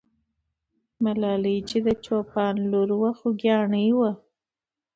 ملالۍ چې د چوپان لور وه، خوګیاڼۍ وه.